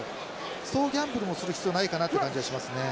そうギャンブルもする必要ないかなって感じがしますね。